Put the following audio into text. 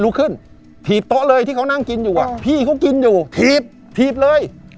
ลุกขึ้นถีบโต๊ะเลยที่เขานั่งกินอยู่อ่ะพี่เขากินอยู่ถีบถีบเลย